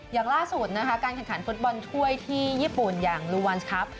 อย่างล่าสุดนะคะการแข่งขันฟุตบอลถ้วยที่ญี่ปุ่นอย่างลูวันสครับ